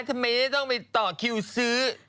ทำไมต้องไปต่อคิวซื้อ